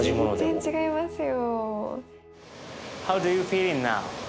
全然違いますよ。